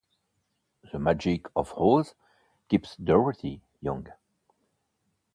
The magic of Oz keeps Dorothy young.